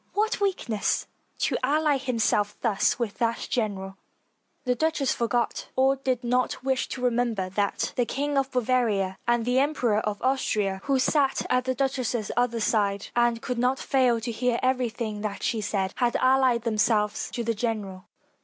What weakness, to ally himself thus with that general." The duchess forgot, or did not wish to remember, that 354 THE COMING OF LOUIS XVIII the King of Bavaria and the Emperor of Austria, who sat at the duchess's other side and could not fail to hear everything that she said, had alHed themselves to the "general."